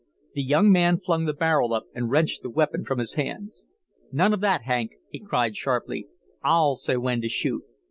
The young man flung the barrel up and wrenched the weapon from his hands. "None of that, Hank!" he cried, sharply. "I'll say when to shoot."